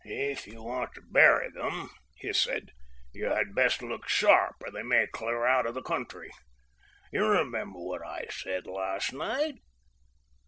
"If you want to bury them," he said, "you had best look sharp, or they may clear out of the country. You remember what I said last night?